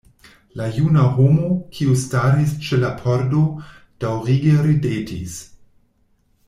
La juna homo, kiu staris ĉe la pordo, daŭrige ridetis.